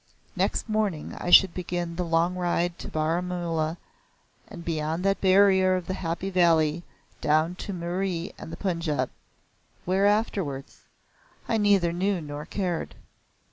Next morning I should begin the long ride to Baramula and beyond that barrier of the Happy Valley down to Murree and the Punjab. Where afterwards? I neither knew nor cared.